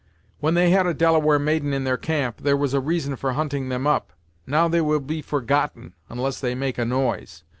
When they had a Delaware maiden in their camp, there was a reason for hunting them up; now they will be forgotten unless they make a noise.